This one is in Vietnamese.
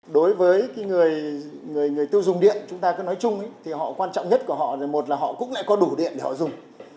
đối với người tiêu dùng điện chúng ta cứ nói chung thì họ quan trọng nhất của họ một là họ cũng lại có đủ điện để họ dùng